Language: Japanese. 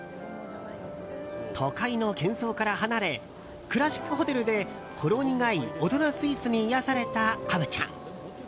都会の喧騒から離れクラシックホテルでほろ苦い大人スイーツに癒やされた虻ちゃん。